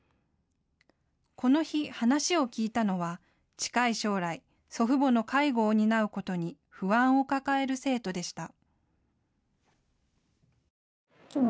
この日、話を聞いたのは近い将来、祖父母の介護を担うことに不安を抱える生徒でした。